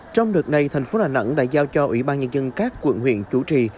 trong đợt này thành phố đà nẵng đã giao cho ủy ban nhân dân các quận huyện chủ trì